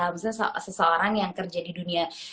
misalnya seseorang yang kerja di dunia